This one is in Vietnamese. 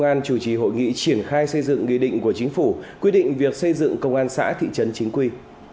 công an chủ trì hội nghị triển khai xây dựng nghị định của chính phủ quy định việc xây dựng công an xã thị trấn chính quy